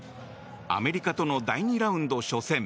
アメリカとの第２ラウンド初戦。